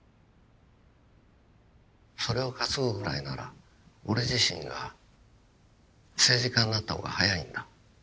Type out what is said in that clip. それを担ぐぐらいなら俺自身が政治家になった方が早いんだ。